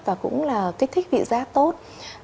và cũng là kích thích vị giá tốt